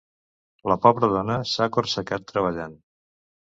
La pobra dona s'ha corsecat treballant.